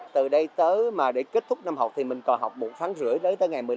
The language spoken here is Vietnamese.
từ đây tới mà để kết thúc năm học thì mình còn học một tháng rưỡi tới ngày một mươi năm